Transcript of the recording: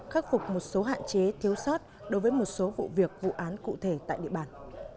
khắc phục một số hạn chế thiếu sót đối với một số vụ việc vụ án cụ thể tại địa bàn